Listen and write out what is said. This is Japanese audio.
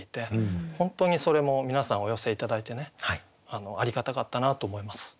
本当にそれも皆さんお寄せ頂いてねありがたかったなと思います。